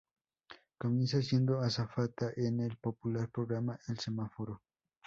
Comienza siendo azafata en el popular programa "El Semáforo".